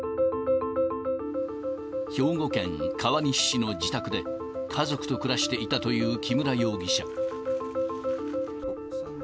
兵庫県川西市の自宅で家族と暮らしていたという木村容疑者。